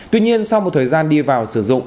tuy nhiên sau một thời gian đi vào sử dụng